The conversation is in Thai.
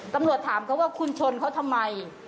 ตำรวจถามเขาว่าคุณชนเขาทำไม